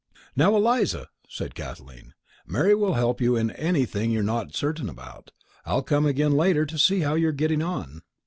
"Now, Eliza," said Kathleen, "Mary will help you in anything you're not certain about. I'll come down again later to see how you're getting on."